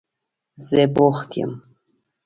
زه بوخت یم.